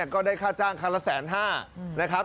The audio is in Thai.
ก็ได้ค่าจ้างคันละ๑๕๐๐นะครับ